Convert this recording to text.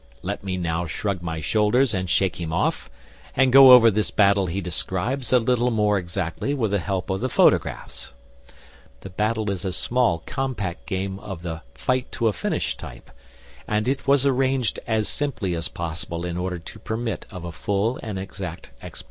Let me now shrug my shoulders and shake him off, and go over this battle he describes a little more exactly with the help of the photographs. The battle is a small, compact game of the Fight to a Finish type, and it was arranged as simply as possible in order to permit of a full and exact explanation.